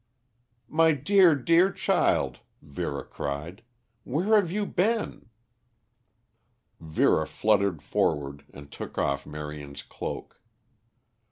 "My dear, dear child," Vera cried. "Where have you been?" Vera fluttered forward and took off Marion's cloak.